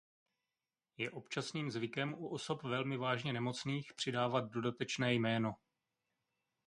Je občasným zvykem u osob velmi vážně nemocných přidávat dodatečné jméno.